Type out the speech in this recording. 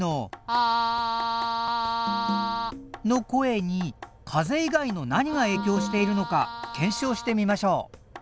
あぁあぁ！の声に風以外の何がえいきょうしているのか検証してみましょう。